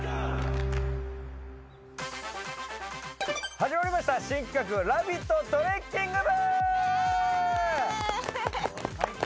始まりました新企画「ラヴィット！トレッキング部」。